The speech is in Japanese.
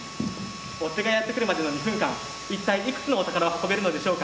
追っ手がやって来るまでの２分間一体いくつのお宝を運べるのでしょうか。